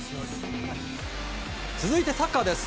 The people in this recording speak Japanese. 続いてサッカーです。